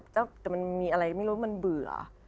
แต่มันมีอะไรไม่รู้มันเบื่อ